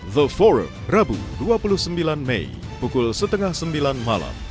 the for rabu dua puluh sembilan mei pukul setengah sembilan malam